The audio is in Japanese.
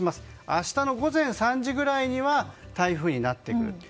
明日の午前３時ぐらいには台風になってくると。